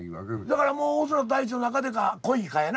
だからもう「大空と大地の中で」か「恋」かやな。